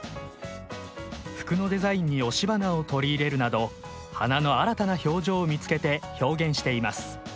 服のデザインに押し花を取り入れるなど花の新たな表情を見つけて表現しています。